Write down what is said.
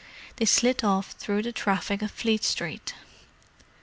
They slid off through the traffic of Fleet Street.